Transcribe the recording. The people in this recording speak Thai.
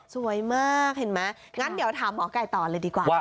สวยมากเห็นไหมงั้นเดี๋ยวถามหมอไก่ต่อเลยดีกว่า